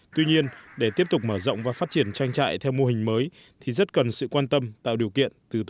tuy nhiên để tiếp tục mở rộng và phát triển trang trại theo mô hình mới